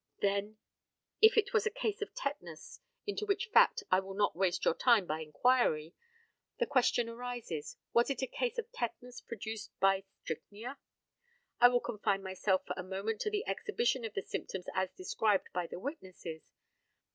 Then, if it was a case of tetanus into which fact I will not waste your time by inquiry the question arises, was it a case of tetanus produced by strychnia? I will confine myself for a moment to the exhibition of the symptoms as described by the witnesses.